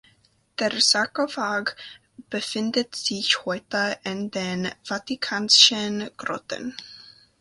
Der Sarkophag befindet sich heute in den Vatikanischen Grotten.